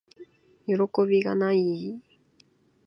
よろこびがない～